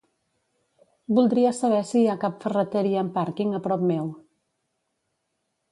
Voldria saber si hi ha cap ferreteria amb pàrquing a prop meu.